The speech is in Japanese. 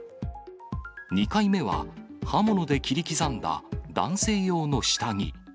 ２回目は刃物で切り刻んだ男性用の下着。